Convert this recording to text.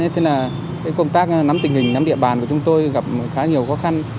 thế nên là công tác nắm tình hình nắm địa bàn của chúng tôi gặp khá nhiều khó khăn